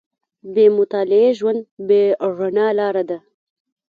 • بې مطالعې ژوند، بې رڼا لاره ده.